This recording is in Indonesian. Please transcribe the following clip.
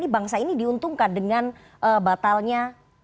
bangsa ini diuntungkan dengan batalnya